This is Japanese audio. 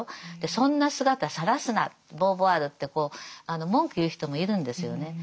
そんな姿さらすなボーヴォワールってこう文句言う人もいるんですよね。